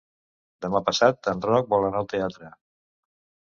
Demà passat en Roc vol anar al teatre.